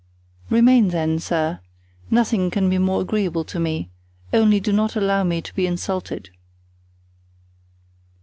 "Remain, then, sir; nothing can be more agreeable to me; only do not allow me to be insulted."